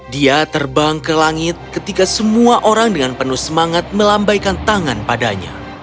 dia terbang ke langit ketika semua orang dengan penuh semangat melambaikan tangan padanya